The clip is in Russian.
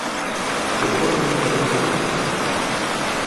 С тех пор она не хотела видеть мужа.